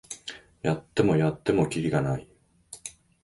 やってもやってもキリがない